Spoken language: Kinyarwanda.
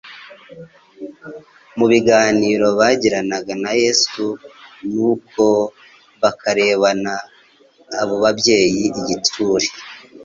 mu biganiro bagirana na Yesu, nuko bakarebana abo babyeyi igitsure.